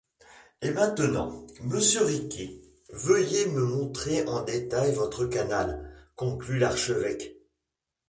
Et maintenant, Monsieur Riquet, veuillez me montrer en détail votre canal, conclut l'archevêque.